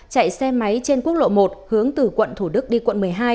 chạy xe máy trên quốc lộ một hướng từ quận thủ đức đi quận một mươi hai